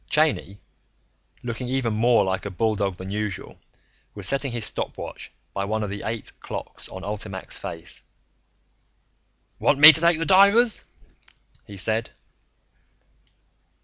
Cheyney, looking even more like a bulldog than usual, was setting his stopwatch by one of the eight clocks on ULTIMAC's face. "Want me to take the divers?" he said.